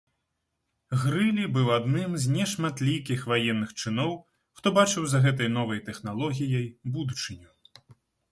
Грылі быў адным з нешматлікіх ваенных чыноў, хто бачыў за гэтай новай тэхналогіяй будучыню.